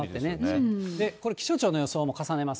これ、気象庁の予想も重ねます。